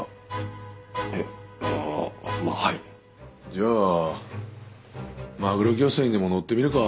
じゃあマグロ漁船にでも乗ってみるか。